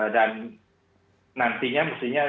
dan nantinya mestinya